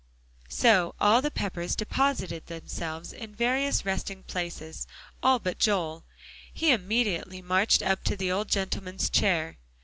So all the Peppers deposited themselves in various resting places; all but Joel. He immediately marched up to the old gentleman's chair.